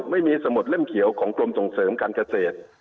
ไม่มีสมุดเล่มเขียวของกรมส่งเสริมการเกษตร